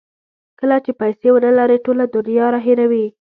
کله چې پیسې ونلرئ ټوله دنیا دا هیروي.